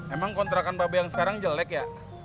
emang kontrakan baby yang sekarang jelek ya